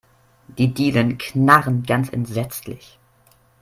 Die Dielen knarren ganz entsetzlich.